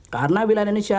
karena wilayah indonesia